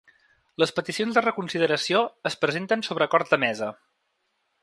Les peticions de reconsideració es presenten sobre acords de mesa.